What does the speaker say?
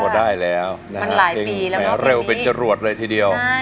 คุณยายแดงคะทำไมต้องซื้อลำโพงและเครื่องเสียง